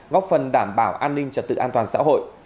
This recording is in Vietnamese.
góp phần đảm bảo an ninh trật tự an toàn xã hội